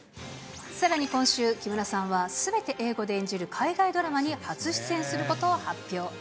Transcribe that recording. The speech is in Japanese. さらに今週、木村さんはすべて英語で演じる海外ドラマに初出演することを発表。